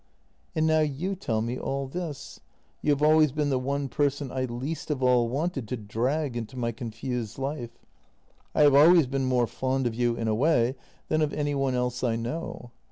" And now you tell me all this. You have always been the one person I least of all wanted to drag into my confused life; I have always been more fond of you, in a way, than of any one else I know.